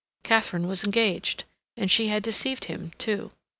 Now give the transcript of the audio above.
Katharine was engaged, and she had deceived him, too.